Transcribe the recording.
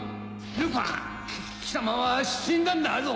ルパン⁉き貴様は死んだんだぞ！